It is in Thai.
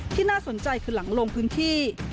น่าสนใจคือหลังลงพื้นที่